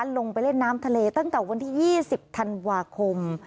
ลงไปเล่นน้ำทะเลตั้งแต่วันที่๒๐ธันวาคม